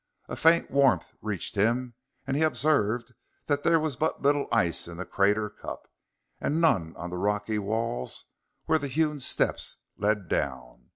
A faint warmth reached him, and he observed that there was but little ice in the crater cup, and none on the rocky walls where the hewn steps led down.